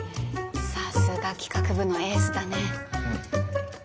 さすが企画部のエースだね。